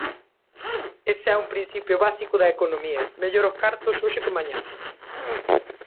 Ese é un principio básico da economía: mellor os cartos hoxe que mañá.